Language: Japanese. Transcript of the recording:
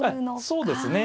そうですね。